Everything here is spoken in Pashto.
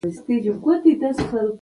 ژوند د کلونو په شمېر نه اندازه کېږي.